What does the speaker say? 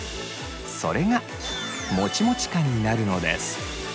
それがもちもち感になるのです。